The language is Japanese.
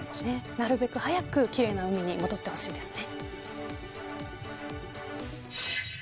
なるべく早く奇麗な海に戻ってほしいですね。